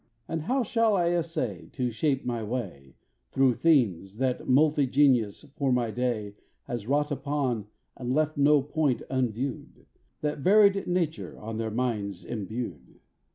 But how shall I essay to shape my way Through themes, that multi genius 'fore my day, Has wrought upon and left no point unviewed, That varied Nature on their minds imbued?